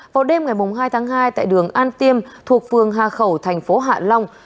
vào đêm ngày hai tháng hai tại đường an tiêm thuộc phường ha khẩu tp hcm